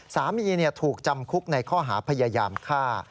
สามีถูกจำคุกในข้อหาพยายามฆ่า